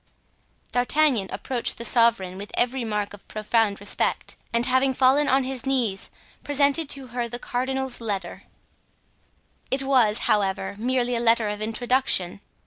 D'Artagnan approached the sovereign with every mark of profound respect, and having fallen on his knees presented to her the cardinal's letter It was, however, merely a letter of introduction.